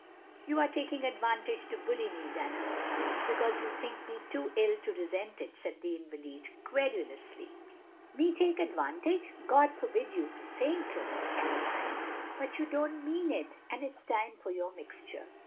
"You are taking advantage to bully me, Dunham, because you think me too ill to resent it," said the invalid, querulously. "Me take advantage — Grod forgive you for saying so. Miss Caroline. But you don't mean it, and it 's time for your mixture."